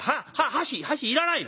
箸箸いらないの。